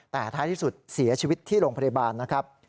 แต่ท้ายที่สุดเสียชีวิตที่โรงพยาบาลนะครับ